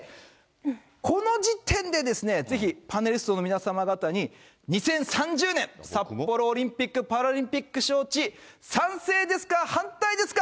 この時点で、ぜひパネリストの皆様方に２０３０年札幌オリンピック・パラリンピック招致、賛成ですか、反対ですか？